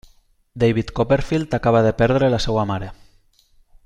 David Copperfield acaba de perdre la seva mare.